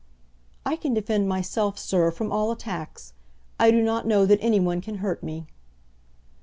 "I can defend myself, sir, from all attacks. I do not know that any one can hurt me."